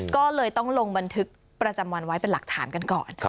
ก็เลยต้องลงบันทึกประจำวันไว้เป็นหลักฐานกันก่อน